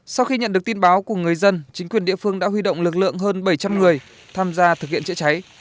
sau khi nhận được tin báo của người dân chính quyền địa phương đã huy động lực lượng hơn bảy trăm linh người tham gia thực hiện chữa cháy